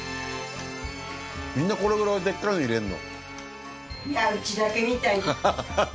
みんなこれくらいでっかいの入れんの？